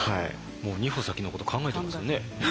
もう二歩先のこと考えてますよね。